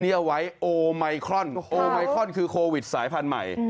เอาไว้โอไมครอนโอไมครอนคือโควิดสายพันธุ์ใหม่